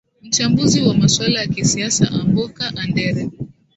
mchambuzi wa masuala ya kisiasa amboka andere